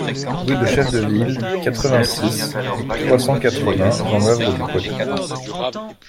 Rue de Chef de Ville, quatre-vingt-six, trois cent quatre-vingts Vendeuvre-du-Poitou